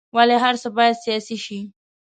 ولې هر څه باید سیاسي شي.